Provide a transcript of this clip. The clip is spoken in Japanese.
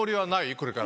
これから。